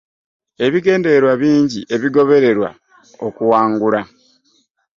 Ebigendererwa bingi ebigobererwa okuwangula